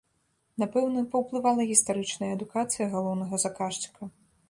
Напэўна, паўплывала гістарычная адукацыя галоўнага заказчыка.